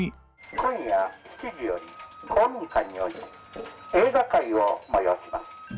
今夜７時より公民館において映画会を催します。